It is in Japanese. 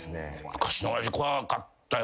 昔の親父怖かったよね。